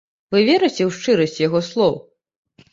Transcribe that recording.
Вы верыце ў шчырасць яго слоў?